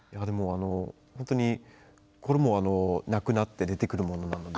本当にこれもなくなって出てくるものなので。